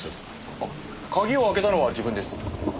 あっ鍵を開けたのは自分です。